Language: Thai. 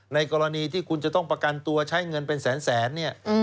ในกรณีที่คุณจะต้องประกันตัวใช้เงินเป็นแสนเนี่ย